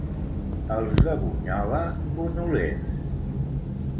Els de Bunyola, bunyolers.